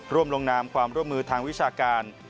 ลงนามความร่วมมือทางวิชาการ